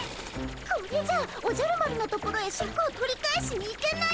これじゃおじゃる丸のところへシャクを取り返しに行けないよ。